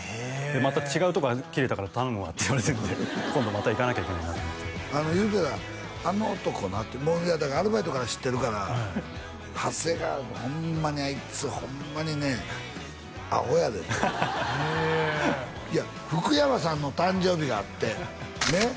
また違うとこ切れたから頼むわって言われてるんで今度また行かなきゃ行けないなと思って言うてたあの男なってもうだからアルバイトから知ってるから長谷川ホンマにあいつホンマにねアホやでとへえいや福山さんの誕生日があってね